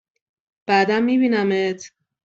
بعدا می بینمت!